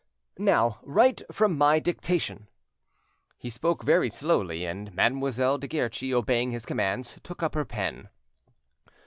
"Now write from my dictation." He spoke very slowly, and Mademoiselle de Guerchi, obeying his commands, took up her pen.